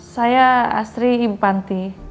saya astri ibu panti